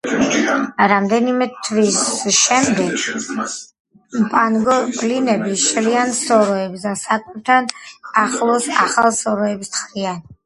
რამდენიმე თვის შემდეგ პანგოლინები შლიან სოროებს და საკვებთან ახლოს ახალ სოროებს თხრიან.